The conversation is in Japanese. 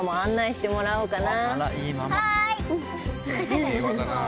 はい！